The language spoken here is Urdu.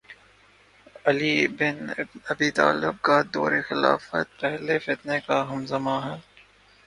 علی بن ابی طالب کا دور خلافت پہلے فتنے کا ہم زمان ہے